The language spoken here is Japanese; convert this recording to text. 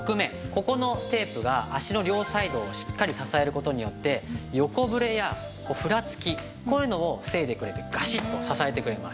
ここのテープが脚の両サイドをしっかり支える事によって横ブレやふらつきこういうのを防いでくれてガシッと支えてくれます。